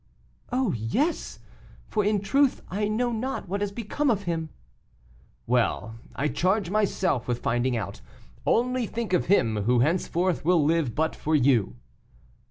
"Oh, yes! for, in truth, I know not what has become of him." "Well, I charge myself with finding out; only think of him who henceforth will live but for you."